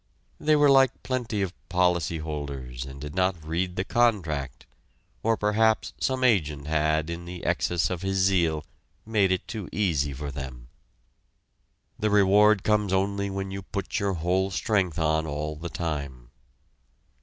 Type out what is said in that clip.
They were like plenty of policy holders and did not read the contract, or perhaps some agent had in the excess of his zeal made it too easy for them. The reward comes only when you put your whole strength on all the time.